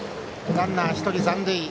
ランナー１人残塁。